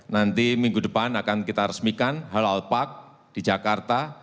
nanti minggu depan akan kita resmikan halal park di jakarta